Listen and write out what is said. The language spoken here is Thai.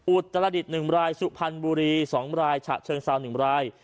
อุตตระดิษฐ์หนึ่งรายสุพรรณบุรีสองรายฉะเชิงซาวหนึ่งราย